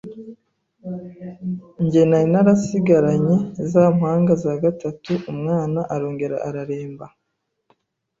njye nari narasigaranye za mpanga za gatatu, umwana arongera araremba,